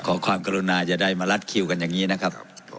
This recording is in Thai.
ขอความกรุณาจะได้มารัดคิวกันอย่างนี้นะครับ